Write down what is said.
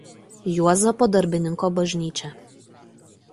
Juozapo Darbininko bažnyčia.